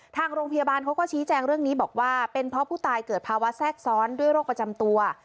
ทางโรงพยาบาลเขาก็ชี้แจงเรื่องนี้บอกว่าเป็นเพราะผู้ตายเกิดภาวะแทรกซ้อนด้วยโรคประจำตัว